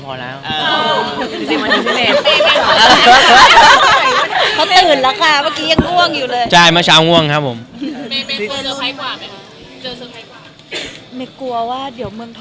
คือไม่ได้เก็งขนาดนั้นแต่คือมันรู้สึก